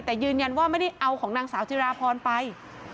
แต่ยืนยันว่าไม่ได้เอาของนางสาวจิราพรไป